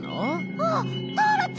あっターラちゃん！